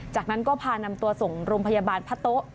จากนั้นก็พานำตัวส่งโรงพยาบาลพะโต๊ะ